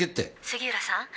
「杉浦さん？